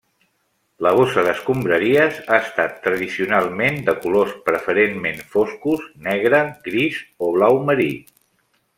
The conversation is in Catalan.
La bossa d'escombraries ha estat tradicionalment de colors preferentment foscos: negre, gris o blau marí.